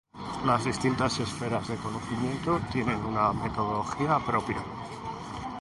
Las distintas esferas de conocimiento tienen una metodología propia.